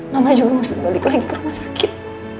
mama juga mau balik lagi ke rumah sakit